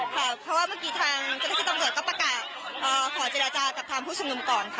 ค่ะเพราะว่าเมื่อกี้ทางเจ้าหน้าที่ตำรวจก็ประกาศขอเจรจากับทางผู้ชุมนุมก่อนค่ะ